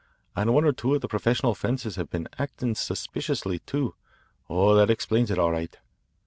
And one or two of the professional 'fences' have been acting suspiciously, too. Oh, that explains it all right."